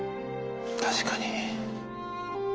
確かに。